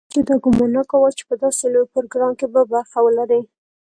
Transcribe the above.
هېچا دا ګومان نه کاوه چې په داسې لوی پروګرام کې به برخه ولري.